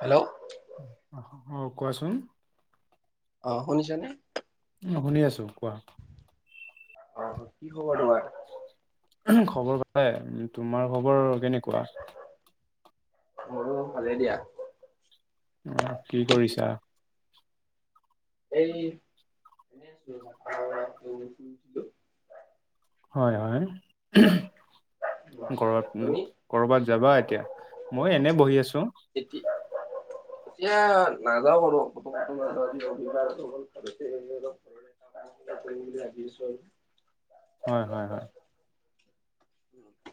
Hello অ কোৱাচোন? অ শুনিছনে? অ শুনি আছো কোৱা? অ কি খবৰ তোমাৰ? খবৰ ভালে, তোমাৰ খবৰ কেনেকুৱা? মোৰো ভালে দিয়া। অ কি কৰিছা? এই [unintelligible] আছোঁ। হয় হয়। ঘৰত মানে তুমি কৰবাত যাবা এতিয়া, মই এনে বহি আছোঁ। এতি এতিয়া নাযাওঁ কটো। তাকে কৰিম বুলি ভাবি আছোঁ আৰু। হয় হয় হয়, [inaudible]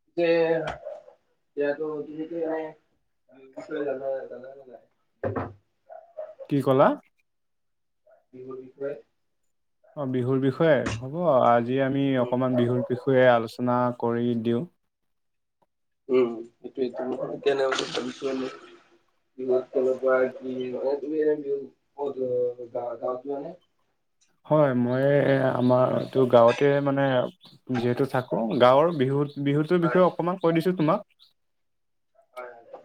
সেই এতিয়াটো শেইটোৱে আৰু, [unintelligible] কি ক'লা? বিহুৰ বিষয়ে। অঁ বিহুৰ বিষয়ে হ'ব আজি আমি উম অকণমান বিহুৰ বিষয়ে আলোচনা কৰি দিওঁ। উম সেইটোৱে [unintelligible] ভাবিছো। [inaudible] গা - গাঁৱত যোৱানে? হয় মই আমাৰ এইটো গাঁৱতে মানে যিহেতু থাকো গাঁৱৰ বিহুত বিহুটোৰ নে বিষয়ে অকণমান কৈ দিছো তোমাক। হয় হয়।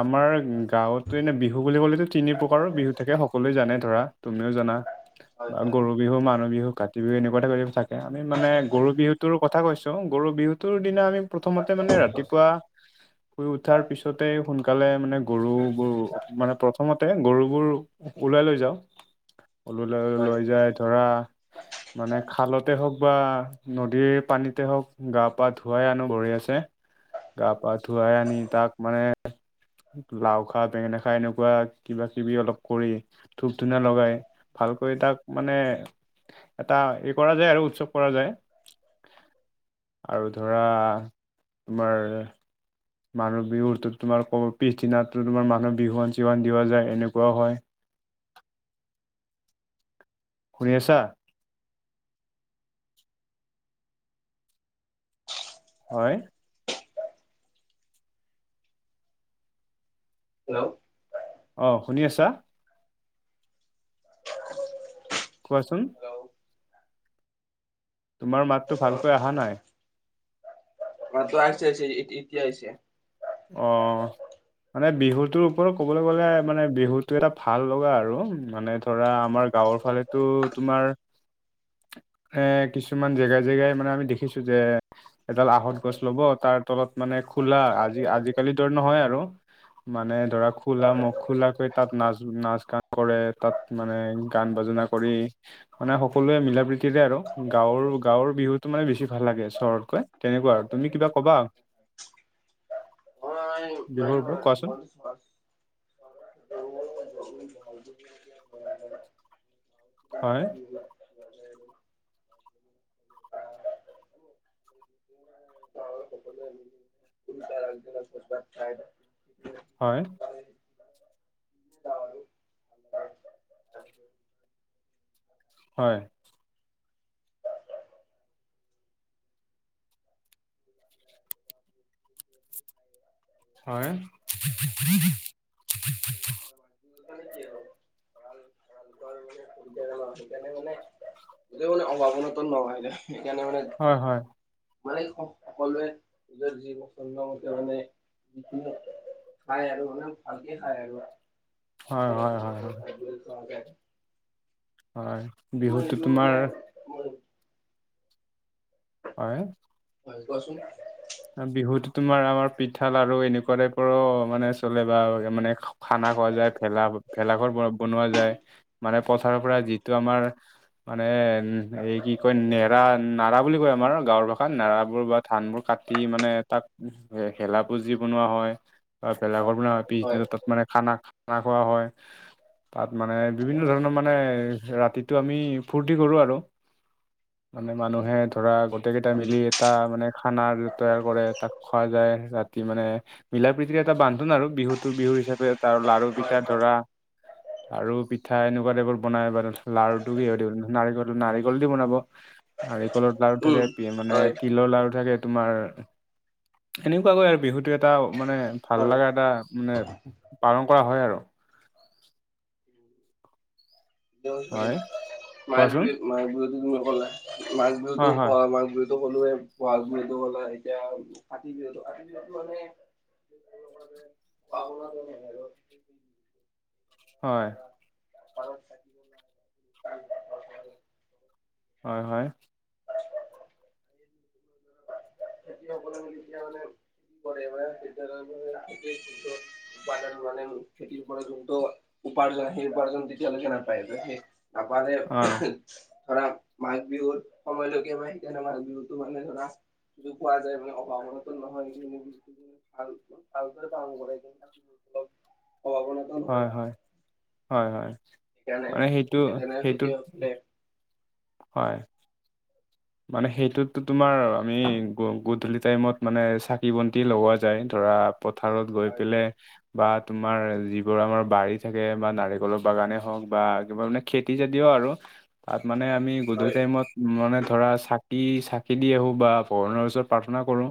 আমাৰ গাঁৱতো এনে বিহু বুলি ক'লেতো তিনি প্ৰকাৰৰ বিহু থাকে সকলোৱে জানে ধৰা তুমিও জানা। হয় বা হয় গৰু বিহু মানুহ বিহু কাটি টিভি এনেকুৱাতে থাকে, আমি মানে গৰু বিহুটোৰ কথা কৈছোঁ গৰু বিহুটোৰ দিনা আমি প্ৰথমতে মানে ৰাতিপুৱা শুই উঠাৰ পিছ প্ৰথমতে সোনকালে মানে গৰুবোৰ মানে প্ৰথমতে গৰুবোৰ ওলাই লৈ যাওঁ। হয় উলিয়ালৈ যায় ধৰা। মানে খালতে হওঁক বা নদীৰ পানীতে হওক গা পা ধুৱাই আনো বহিয়াছে। গা পা ধুৱাই আনি তাক মানে লাও খা বেঙেনা খা এনেকুৱা কিবা কিবি অলপ কৰি। ধূপ ধুনা লগাই হয় ভালকৈ তাক মানে এটা ই কৰা যায় আৰু, উৎসৱ কৰা যায়। আৰু ধৰা তোমাৰ মানুহ বিহুৰটো তোমাৰ ক'ব পিছদিনাটো তোমাৰ মানুহ বিহুৱান চিহুৱান দিয়া যায় এনেকুৱা হয়। শুনি আছা। হয়। হেল্ল অ, শুনি আছা? কোৱাচোন? তোমাৰ মাততো ভালকৈ অহা নাই? মাতটো আহিছে আহিছে এতিয়া আহিছে। অ। মানে বিহুতৰ ওপৰত ক'বলৈ গ'লে মানে বিহুটো এটা ভাল লগা আৰু মানে ধৰা আমাৰ গাঁৱৰ ফালেতো তোমাৰ এ কিছুমান জেগা জেগাই মানে আমি দেখিছো যে এডাল আহত গছ ল'ব, তাৰ তলত মানে খোলা আজি আজিকালি ধৰ নহয় আৰু। মানে ধৰা খোলা মুখ খোলা কৈ তাত নাচ নাচ গান কৰে তাত মানে গান বাজনা কৰি মানে সকলোৱে মিলা প্ৰীতিৰে আৰু, গাঁৱৰ গাঁৱৰ বিহুতটো মানে বেছি ভাল লাগে চহৰতকৈ। তেনেকুৱা আৰু তুমি কিবা ক'বা? মই নাই বিহুৰ ওপৰত কোৱাচোন [inaudible] [inaudible] [inaudible] হয়। [inaudible] হয়। মই হয়। [inaudible] হয়। [inaudible] ধৰ মানে সুবিধাজনক সেইকাৰণে মানে [unintelligible] [unintelligible] হয় হয়। মানে সকলোৱে নিজৰ যি প্ৰচন্দমতে মানে খাই আৰু মানে ভালকে খাই আৰু। হয় হয় হয় হয় [inaudible] হয় মই বিহুটো এইটো তোমাৰ। [inaudible] হয়। হয় কোৱাচোন। বিহুতো তোমাৰ আমাৰ পিঠা লাৰু আৰু এনেকুৱা টাইপৰো মানে চলে বা মানে খ খানা খোৱা যায় ভেলা ভেলাঘৰ ব বনোৱা যায়। মানে পথাৰৰ পৰা যিটো আমাৰ। মানে উম এই কি কয় নেৰা নাৰা বুলি কয় আমাৰ গাঁৱৰ ভাষাত নাৰাবোৰ বা ধান বোৰ কাট তি মানে তাত ভেলাপূজি বনোৱা হয় বা ভেলাঘৰ বনোৱা হয় পিছদিনা তাত মানে খানা খানা খোৱা হয়। তাত মানে বিভিন্ন ধৰণৰ মানে ৰাতিটো আমি ফূৰ্তি কৰোঁ আৰু। মানে মানুহে ধৰা গোটেই কেইটা মিলি এটা মানে খানাৰ তৈয়াৰ কৰে তাক খোৱা যায় ৰাতি মানে। মিলা প্ৰীতিৰ এটা বান্ধোন আৰু বিহুটোৰ বিহু হিচাপে তাৰ লাৰু হয় পিঠা হয় ধৰা। আৰু পিঠা এনেকুৱা টাইপোৰ বনাই লাৰুটো কি নাৰিক নাৰিকল দি বনাব। নাৰিকলৰ লাৰু উম থাকে মানে হয় তিলৰ লাৰু থাকে তোমাৰ। এনেকুৱাকৈ আৰু বিহুটো এটা মানে ভাল লগা এটা মানে পালন কৰা হয় আৰু। হয় মাঘ কোৱাচোন বিহুত মাঘ বিহুতো তুমি ক'লা মাঘ বিহুতোও হয় হয় কোৱা মাঘ বিহুত। কলো বহাগ বিহুটো ক'লা এতিয়া কাটি বিহুতো কাতি বিহুটো মানে [unintelligible] হয়। পাৰো থাকি। হয় হয়। [unintelligible] [inaudible] খেতিয়সকলে উপাৰ্জন মানে খেতিৰ পৰা যোনটো উপাৰ্জন সেই উপাৰ্জন যেতিয়ালৈকে নাপায় সেই নাপাতে অ ধৰা মাঘ বিহুত। সময়লৈকে মই সেইকাৰণে মঘ বিহুটো মানে ধৰা যদিটো পোৱা যায় মানে অভাৱ অনাটন নহয় সেই বিহুটো। ভালকে পালন কৰে কিন্তু অভাব আনাতন। হয় হয় হয় হয় সেইকাৰণে মানে সেইটো সেইকাৰণে সেইটোত খেতিয়কসকলে হয়। মানে সেইটোতো তোমাৰ আমি গধূলি টাইমত মানে চাকি বন্তি লগোৱা যায় ধৰা পথাৰত গৈ হয় পেলাই। বা তোমাৰ যিবোৰ আমাৰ বাৰী থাকে বা নাৰিকলৰ বাগানে হওঁক বা কিবা মানে খেতি যদিও আৰু তাত মানে আমি গধূলি হয় টাইমত মানে ধৰা চাকি চাকি দি আহো বা ভগৱানৰ ওচৰত প্ৰাৰ্থনা কৰো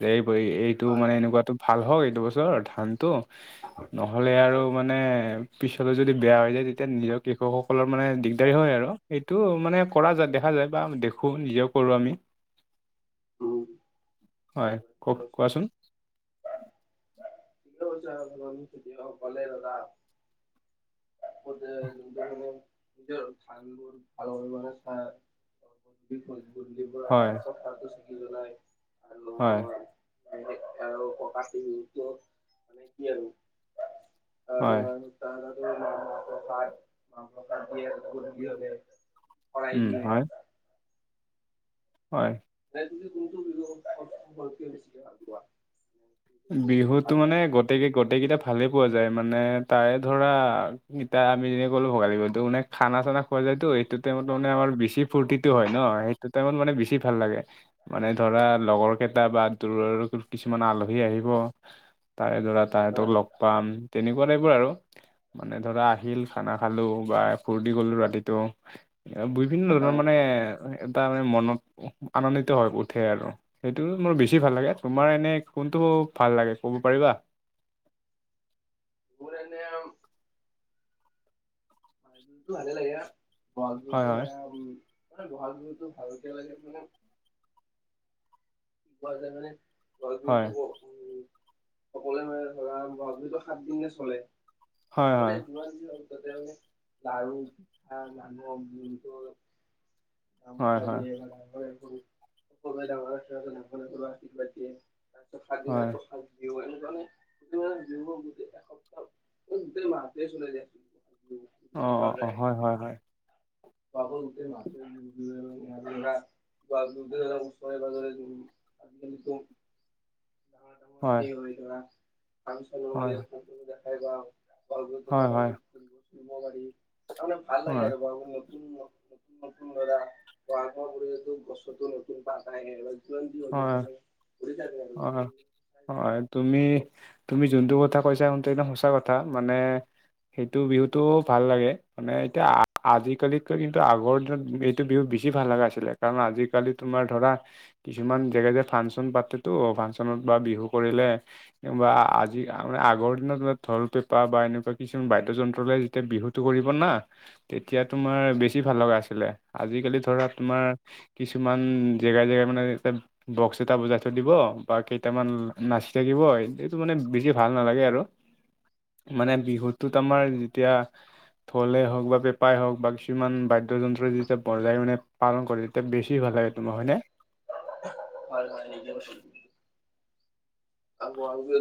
যে এই এই এইটো হয় মানে এনেকুৱটো ভাল হওক এইটো বছৰ ধানটো নহ'লে আৰু হয় মানে পিছলৈ যদি বেয়া হৈ যায় তেতিয়া নিজৰ কৃষকসকলৰ মানে দিগদাৰী হয় আৰু এইটো মানে কৰা যায় দেখা যায় বা দেখোঁ নিজেও কৰোঁ আমি। উম। হয় কওক কোৱাচোন। [inaudible] [inaudible] [inaudible] [unintelligible] হয়, কথাতো ছিকি জলাই আৰু, হয়। [inaudible] আৰু [unintelligible] হয়, মাহ-প্ৰসাদ [unintelligible] শৰাই উম, দিয়ে। হয়, হয়। [unintelligible] বেছিকে ভাল পোৱা? বিহুতো মানে, গতিকে গোটেইকেইটা ভালেই পোৱা যায় মানে তাৰে ধৰা এতিয়া আমি যেনেকে ক'লোঁ ভোগালী বিহুটো মানে, খানা-চানা খোৱা যায়তো, সেইটো টাইমত মানে আমাৰ বেছি ফূৰ্তিটো হয় ন, সেইটো টাইমত মানে বেছি ভাল লাগে। মানে ধৰা লগৰ কেইটা বা দূৰৰ কিছুমান আল হী আহিব, তাৰে দৰা তাহাতক হয়, লগ পাম, তেনেকুৱা টাইপৰ আৰু। মানে ধৰা আহিল খানা খালো বা ফূৰ্তি কৰিলোঁ ৰাতিটো। বিভিন্ন ধৰণৰ হয় মানে, এটা মানে মনত আনন্দিত হৈ উঠে আৰু সেইটো মোৰ বেছি ভাল লাগে। তোমাৰ এনে কোনটো ভাল লাগে ক'ব পাৰিবা? মোৰ এনে আও, [unintelligible] মানে হয় হয় বহাগ বিহুতো ভালকে লাগে মানে, [unintelligible] সকলোৱে মানে হয় ধৰা বহাগ বিহুটো সাত দিনে চলে। হয় হয় মানে যিমান যি হওক তাতে মানে লাৰু, পিঠা, [unintelligible] হয় হয় গামোচা দিয়ে, সৰুৱে ডাঙৰক আশীৰ্বাদ দিয়ে হয় আৰু। তাৰপিছত সাত দিনা [unintelligible] [inaudible] অ' অ' অ', হয় হয় হয়। [inaudible] [unintelligible] ডাঙৰ-ডাঙৰ সেই হয় ধৰা, ফাংচনো মানে হয় ফাংচনো দেখাই বাও। বহাগ বিহুটো হয় মানে হয় মই ফুৰিব-চোৰিব পাৰি, তাৰমানে ভাল লাগে হয় আৰু। [unintelligible] গছতো নতুন পাত আহে যিমান যি হ'লেও হয়, মানে ঘূৰি থাকে আৰু। হয়, হয়। হয় তুমি তুমি যোনটো কথা কৈছা সেইটো একদম সঁচা কথা। মানে, সেইটো বিহুটোও ভাল লাগে। মানে, এতিয়া আজিকালিতকৈ কিন্তু আগৰ দিনত এইটো বিহু বেছি ভাল লাগা আছিলে। কাৰণ আজিকালি তোমাৰ ধৰা, কিছুমান জেগা যে ফাংচন পাতেতো, ফাংচনত বা বিহু কৰিলে। বা আজি, আগৰ দিনত ঢোল-পেপা বা এনেকুৱা কিছুমান বাদ্যযন্ত্ৰ লৈ এতিয়া বিহুটো কৰিব না। তেতিয়া তোমাৰ বেছি ভাল লগা আছিলে, আজিকালি ধৰা তোমাৰ কিছুমান জেগাই জেগাই মানে, বক্স এটা বজাই থৈ দিব বা কেইটামান নাচি থাকিব। সেইটো মানে বেছি ভাল নালাগে আৰু। মানে বিহুটোত আমাৰ যেতিয়া ঢলে হওক বা পেঁপাই হওক বা, কিছুমান বাদ্যযন্ত্ৰ যেতিয়া বজাই মানে পালন কৰে, তেতিয়া বেছি ভাল লাগে তোমাৰ হয়নে। হয় হয়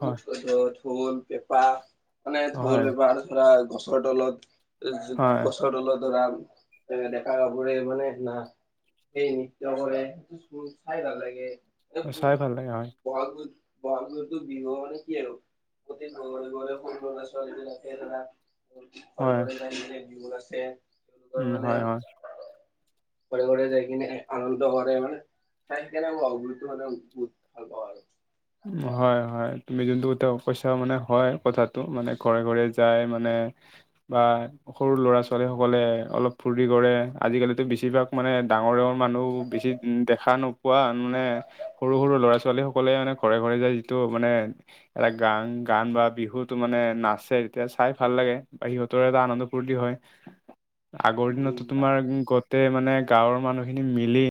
হয় ঢোল পেঁপা মানে ঢোল হয় পেঁপা আৰু ধৰা গছৰ তলত গছ হয় গছৰ তলত ধৰা ডেকা গাভৰুয়ে মানে না সেই নৃত্য কৰে চাই ভাল লাগে এ চাই ভাল লাগে হয় বহাগ বিহুত বহাগ বিহুটোত বিহু মানে কি আৰু গোটেই ঘৰে ঘৰে সৰু লৰা ছোৱালী বিলাকে ধৰা ঘৰে হয় ঘৰে যাই কিনে বিহু নাছে তেওঁলোকৰ উম মানে হয় হয় ঘৰে ঘৰে যাই কিনে আনন্দ কৰে মানে। চাই কেনে মানে বহুত ভাল পাও আৰু হয় হয় তুমি যোনটো এতিয়া কৈছা মানে হয় কথাটো মানে ঘৰে ঘৰে যাই মানে বা সৰু ল'ৰা ছোৱালী সকলে অলপ ফূৰ্তি কৰে আজিকালিতো বেছিভাগ মানে ডাঙৰ ডাঙৰ মানুহ বেছি উ দেখা নোপোৱা মানে সৰু সৰু ল'ৰা ছোৱালী সকলে মানে ঘৰে ঘৰে যায় যিটো মানে এটা গান গান বা বিহুত মানে নাচে তেতিয়া চাই ভাল লাগে বা সিহঁতৰ এটা আনন্দ ফূৰ্তি হয়। আগৰ দিনতো উম তোমাৰ গোটেই মানে গাঁৱৰ মানুহখিনি মিলি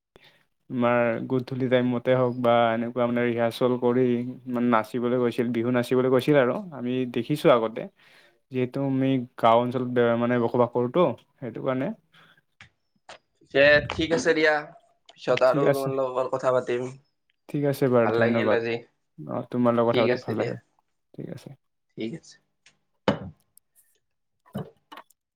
তোমাৰ গুধূলি টাইমতে হওঁক বা এনেকুৱা মানে ৰিহাৰ্চ ল কৰি মানে নাচিবলৈ গৈছিল বিহু নাচিবলৈ গৈছিল আৰু আমি দেখিছো আগত যিহেতু আমি গাও অঞ্চলত মানে বসবাস কৰোতো সেইটো কাৰণে এ ঠিক আছে দিয়া অ পিছত ঠিক আৰু আছে তোমাৰ লগত কথা পাতিম। ঠিক আছে বাৰু ভাল লাগিল ধন্যবাদ। আজি অঁ তোমাৰ লগত ঠিক কথা পাতি আছে ভাল দিয়া লাগে ঠিক আছে ঠিক আছে।